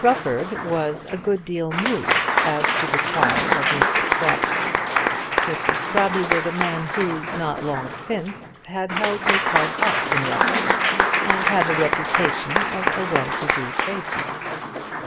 Rufford was a good deal moved as to the trial of Mr. Scrobby. Mr. Scrobby was a man who not long since had held his head up in Rufford and had the reputation of a well to do tradesman.